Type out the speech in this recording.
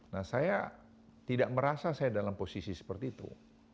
nah saya tidak merasa saya dalam posisi seperti itu